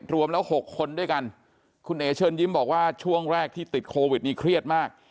รวมแล้ว๖คนด้วยกันคุณเอ๋เชิญยิ้มบอกว่าช่วงแรกที่ติดโควิดนี่เครียดมาก